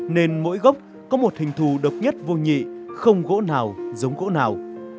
nên mỗi gốc có một hình thù độc nhất vô nhị không gỗ nào giống gỗ nào